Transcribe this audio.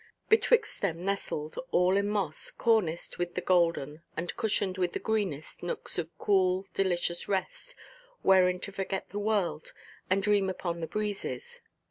Betwixt them nestled, all in moss, corniced with the golden, and cushioned with the greenest, nooks of cool, delicious rest, wherein to forget the world, and dream upon the breezes.